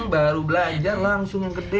baru belajar langsung yang ketiga